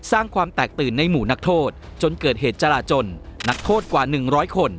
สร้างความแตกตื่นในหมู่นักโทษจนเกิดเหตุจราจนนักโทษกว่า๑๐๐คน